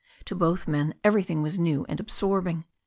To both men everything was new and absorbing.